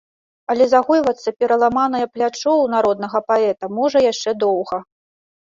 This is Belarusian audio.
Але загойвацца пераламанае плячо ў народнага паэта можа яшчэ доўга.